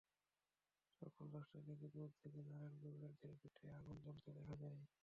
সকাল দশটার দিকে দূর থেকে নারায়ণ কবিরাজের ভিটায় আগুন জ্বলতে দেখা গেল।